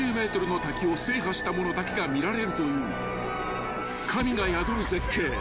［８０ｍの滝を制覇した者だけが見られるという神が宿る絶景］